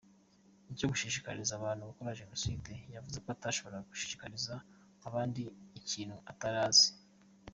Ku cyo gushishikariza abantu gukora Jenoside yavuze ko atashoboraga gushishikariza abandi ikintu atari azi.